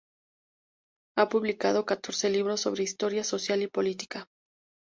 Ha publicado catorce libros sobre historia social y política.